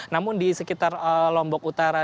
namun di sekitar lombok utara